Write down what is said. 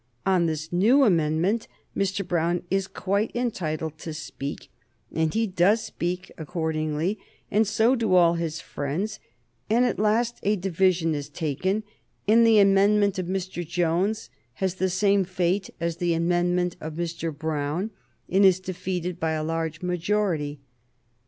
On this new amendment Mr. Brown is quite entitled to speak, and he does speak accordingly, and so do all his friends, and at last a division is taken and the amendment of Mr. Jones has the same fate as the amendment of Mr. Brown, and is defeated by a large majority.